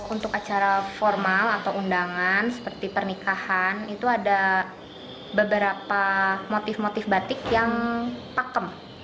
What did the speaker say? untuk acara formal atau undangan seperti pernikahan itu ada beberapa motif motif batik yang pakem